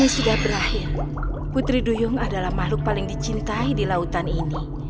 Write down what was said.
sudah berakhir putri duyung adalah makhluk paling dicintai di lautan ini